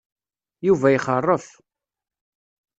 Yuba ixeṛṛef.